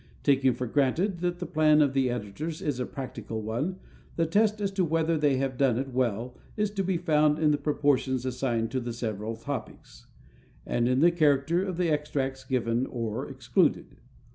Taking for granted that the plan of the editors is a practical one, the test as to whether they have done it well is to be found in the proportions assigned to the several topics, and in the character of the extracts given or excluded.